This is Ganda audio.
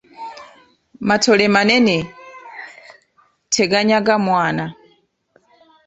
Matole manene, teganyaga mwana.